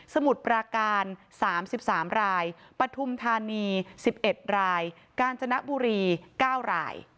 มุดปราการ๓๓รายปฐุมธานี๑๑รายกาญจนบุรี๙ราย